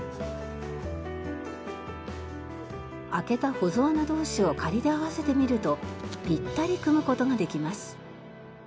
開けた穴同士を仮で合わせてみるとピッタリ組む事ができます。